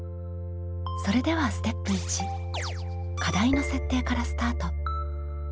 それではステップ１課題の設定からスタート。